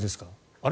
あれ？